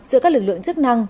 giữa các lực lượng chức năng